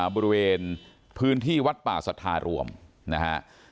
บริเวณพื้นที่วัดป่าสัทธารวมนะฮะ